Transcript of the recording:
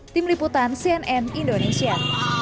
tim liputan cnn indonesia